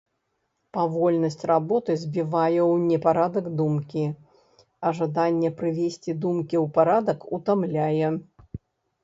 Павольнасць работы збівае ў непарадак думкі, а жаданне прывесці думкі ў парадак утамляе.